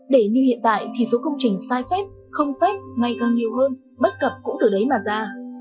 để như hiện tại thì số công trình sai phép không phép ngày càng nhiều hơn bất cập cũng từ đấy mà ra